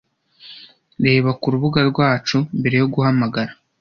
Reba ku rubuga rwacu mbere yo guhamagara